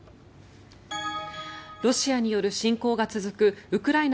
ロシアによる侵攻が続くウクライナ